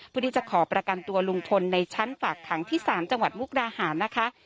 เพื่อที่จะขอประกันตัวลุงพลในชั้นฝากขังที่ศาลจังหวัดมุกดาหารนะคะ